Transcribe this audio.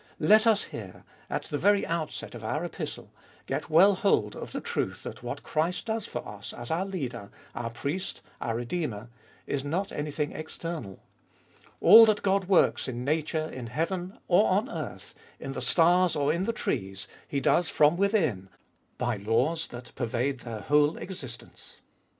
Let us here, at the very outset of our Epistle, get well hold of the truth that what Christ does for as our Leader, our Priest, our Redeemer, is not anything external. All that God works in nature in heaven or on earth, in the stars or in the 74 <Xbe tboltest of Bll trees, He does from within, bv laws that pervade their whole existence.